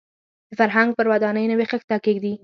د فرهنګ پر ودانۍ نوې خښته کېږدي.